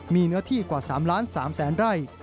มีเนื้อที่กว่า๓ล้าน๓แสนไร่